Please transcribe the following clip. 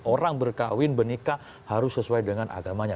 orang berkawin bernikah harus sesuai dengan agamanya